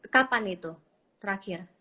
kapan itu terakhir